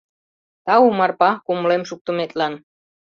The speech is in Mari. Тау, Марпа, кумылем шуктыметлан.